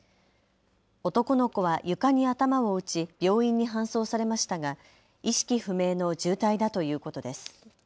男の子は床に頭を打ち病院に搬送されましたが意識不明の重体だということです。